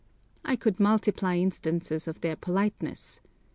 I could multiply instances of their politeness.